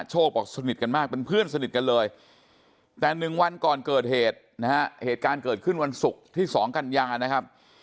บอกสนิทกันมากเป็นเพื่อนสนิทกันเลยแต่๑วันก่อนเกิดเหตุนะฮะเหตุการณ์เกิดขึ้นวันศุกร์ที่๒กันยานะครับ